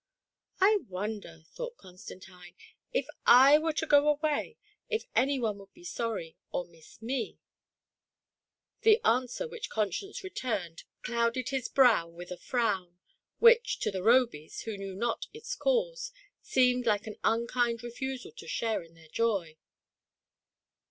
" I wonder," thought Constantine, " if I were to go away, if any one would be sorry, or miss me." The answer which Conscience returned clouded his brow 144 THE PRISONER IN DARKNESS. with a frown, which to the Robys, who knew not its cause, seemed like an unkind refusal to share in their joy.